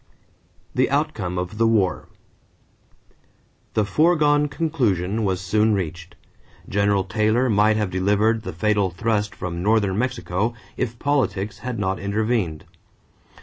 =The Outcome of the War.= The foregone conclusion was soon reached. General Taylor might have delivered the fatal thrust from northern Mexico if politics had not intervened.